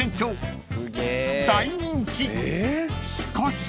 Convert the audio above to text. ［しかし］